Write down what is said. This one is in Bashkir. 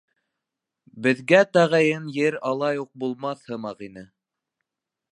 Беҙгә тәғәйен ер алай уҡ булмаҫ һымаҡ ине.